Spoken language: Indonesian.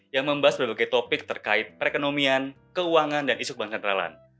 yang membahas berbagai topik terkait perekonomian keuangan dan isu kebangkeralan